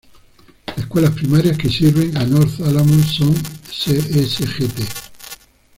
Escuelas primarias que sirven a North Alamo son Sgt.